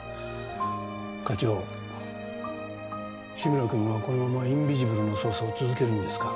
課長志村君はこのままインビジブルの捜査を続けるんですか？